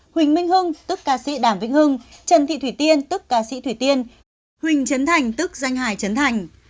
huỳnh minh hưng tức ca sĩ đàm vĩnh hưng trần thị thủy tiên tức ca sĩ thủy tiên huỳnh trấn thành tức danh hải trấn thành